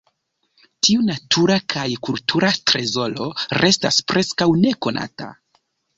Tiu natura kaj kultura trezoro restas preskaŭ nekonata.